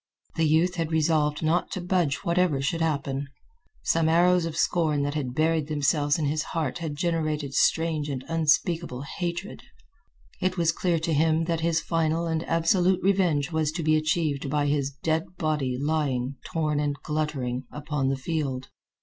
The youth had resolved not to budge whatever should happen. Some arrows of scorn that had buried themselves in his heart had generated strange and unspeakable hatred. It was clear to him that his final and absolute revenge was to be achieved by his dead body lying, torn and gluttering, upon the field.